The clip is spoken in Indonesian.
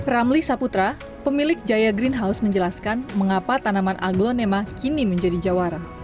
ramli saputra pemilik jaya greenhouse menjelaskan mengapa tanaman aglonema kini menjadi jawara